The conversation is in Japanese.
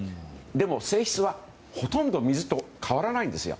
でも性質は、ほとんど水と変わらないんですよ。